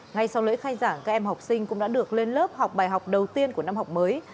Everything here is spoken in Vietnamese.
ngay sau lễ khai giảng các em học sinh cũng đã được lên lớp học bài học đầu tiên của năm học mới